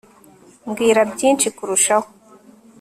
mbwira byinshi kurushaho